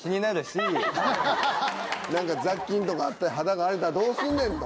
雑菌とかあって肌が荒れたらどうすんねんと。